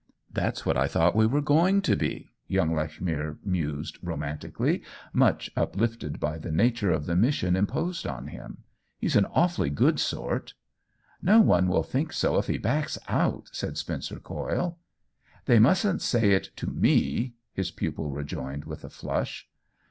" That's what I thought we were going to be !" young Lechmere mused, romantically, much uplifted by the nature of the mission imposed on him. " He's an awfully good sort." " No one will think so if he backs out 1" said Spencer Coyle. "They mustn't say it to meP^ his pupil rejoined, with a flush.